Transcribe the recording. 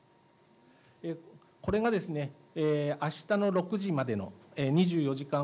これがあしたの６時までの２４時間